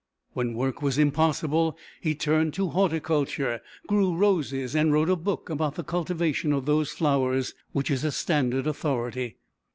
When work was impossible, he turned to horticulture, grew roses, and wrote a book about the cultivation of those flowers which is a standard authority.